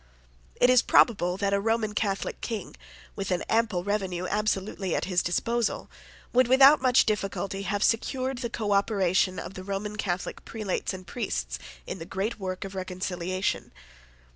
It is probable that a Roman Catholic King, with an ample revenue absolutely at his disposal, would, without much difficulty, have secured the cooperation of the Roman Catholic prelates and priests in the great work of reconciliation.